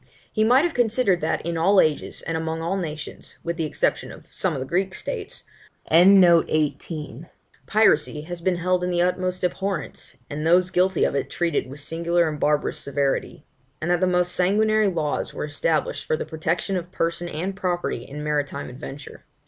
He might have considered that, in all ages and among all nations, with the exception of some of the Greek states, piracy has been held in the utmost abhorrence, and those guilty of it treated with singular and barbarous severity; and that the most sanguinary laws were established for the protection of person and property in maritime adventure.